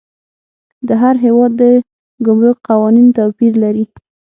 د هر هیواد د ګمرک قوانین توپیر لري.